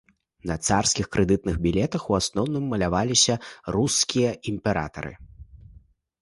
На царскіх крэдытных білетах у асноўным маляваліся рускія імператары.